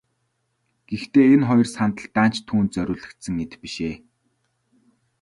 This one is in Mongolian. Гэхдээ энэ хоёр сандал даанч түүнд зориулагдсан эд биш ээ.